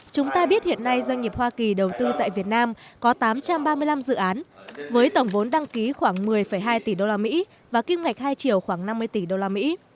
chúng ta biết hiện nay doanh nghiệp hoa kỳ đầu tư tại việt nam có tám trăm ba mươi năm dự án với tổng vốn đăng ký khoảng một mươi hai tỷ usd và kim ngạch hai triệu khoảng năm mươi tỷ usd